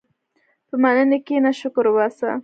په مننې کښېنه، شکر وباسه.